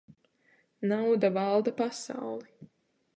Nauda valda pasauli.